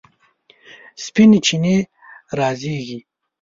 سپینې چینې رازیږي